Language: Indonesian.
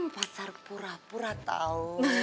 pasar pura pura tau